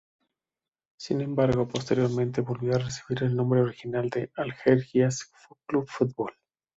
Sin embargo, posteriormente volvió a recibir el nombre original de Algeciras Club de Fútbol.